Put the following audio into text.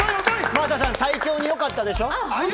真麻さん、胎教によかったでしょ？